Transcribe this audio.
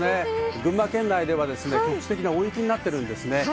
群馬県内では局地的な大雪になっています。